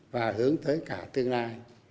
và hướng tới cả tương lai